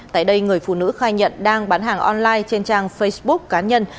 tại đây người phụ nữ khai nhận đang bán hàng online trên trang facebook cá nhân